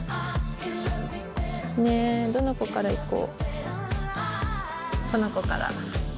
ねどの子からいこう？